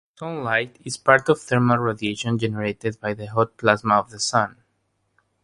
Sunlight is part of thermal radiation generated by the hot plasma of the Sun.